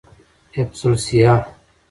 حفظی الصیحه